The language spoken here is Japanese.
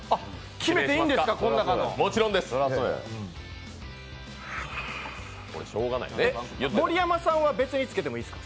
決めていいんですか？